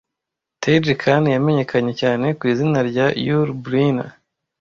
Taidje Khan yamenyekanye cyane ku izina rya Yul Brynner